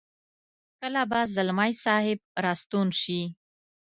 کله به ځلمی صاحب را ستون شي.